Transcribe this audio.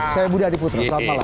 saya budi adiputro selamat malam